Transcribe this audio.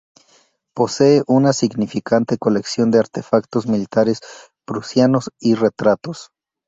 Posee una significante colección de artefactos militares prusianos y retratos.